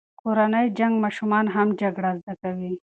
کورنی جنګ ماشومان هم جګړه زده کوي.